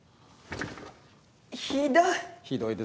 ひどい！